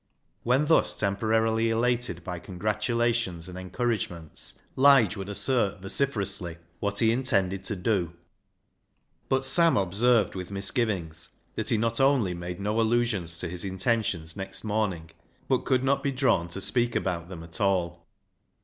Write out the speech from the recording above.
When thus temporarily elated by congratulations and encouragements, Lige would assert vociferously what he in tended to do, but Sam observed with misgiv ings that he not only made no allusions to his intentions next morning, but could not be drawn to speak about them at all.